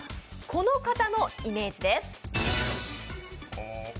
この方のイメージです。